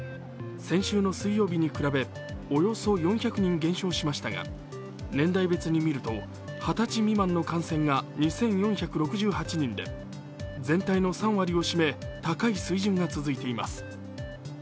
先週の水曜日に比べ、およそ４００人減少しましたが、年代別に見ると二十歳未満の感染が２４６８人で全体の３割を占め高い水準が続いています。